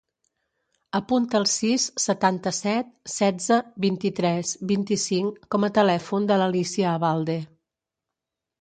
Apunta el sis, setanta-set, setze, vint-i-tres, vint-i-cinc com a telèfon de l'Alícia Abalde.